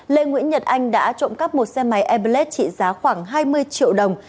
lê nguyễn nhật anh đã trộm cắp một xe máy airblade trị giá khoảng hai mươi triệu đồng